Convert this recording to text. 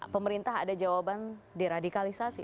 pemerintah ada jawaban diradikalisasi